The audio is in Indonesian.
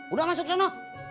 udah masuk sana